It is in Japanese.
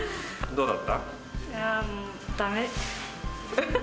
どうだった？だめ。